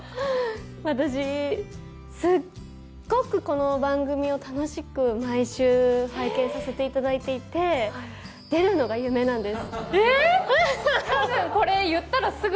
私、すごくこの番組を楽しく毎週、拝見させていただいていて出るのが夢なんです。